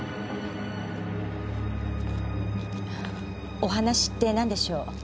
お話って何でしょう？